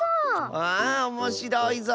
ああおもしろいぞ。